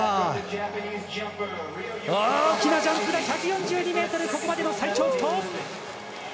大きなジャンプだ１４２ｍ、ここまでの最長不倒！